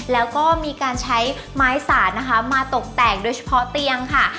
แล้วก็มีการใช้ไม้สาดนะคะมาตกแต่งโดยเฉพาะเตียงค่ะ